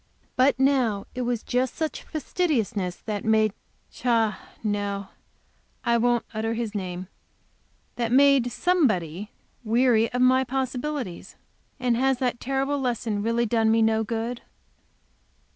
But was it not just such fastidiousness that made Cha no, I won't utter his name that made somebody weary of my possibilities? And has that terrible lesson really done me no good?